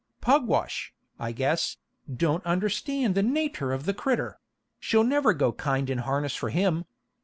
Pugwash, I guess, don't understand the natur' of the crittur; she'll never go kind in harness for him.